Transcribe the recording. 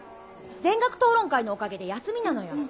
全学討論会のおかげで休みなのよ。